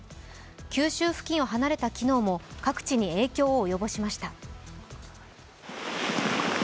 九州付近を離れた昨日も各地に影響を及ぼしました。